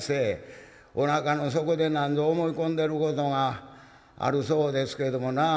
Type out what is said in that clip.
おなかの底で何ぞ思い込んでることがあるそうですけどもなぁ。